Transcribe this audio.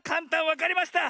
わかりました！